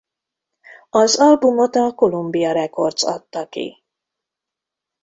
Az albumot a Columbia Records adta ki.